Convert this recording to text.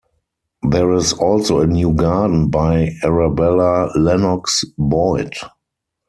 There is also a new garden by Arabella Lennox-Boyd.